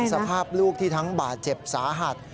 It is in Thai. สภาพลูกที่ทั้งบาดเจ็บสาหัส